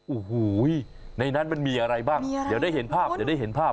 โอ้โหในนั้นมันมีอะไรบ้างเดี๋ยวได้เห็นภาพเดี๋ยวได้เห็นภาพ